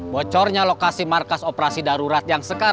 bocornya lokasi markas operasi darurat yang sekarang kita sebutkan